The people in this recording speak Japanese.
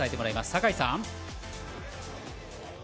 酒井さん。